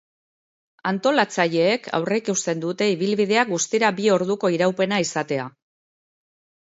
Antolatzaileek aurreikusten dute ibilbideak guztira bi orduko iraupena izatea.